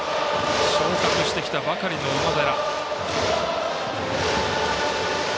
昇格してきたばかりの小野寺。